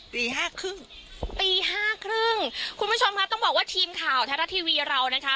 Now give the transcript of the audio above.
ตีห้าครึ่งตีห้าครึ่งคุณผู้ชมค่ะต้องบอกว่าทีมข่าวไทยรัฐทีวีเรานะคะ